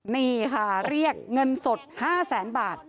นี่ค่ะเรียกเงินสด๕แสนบาท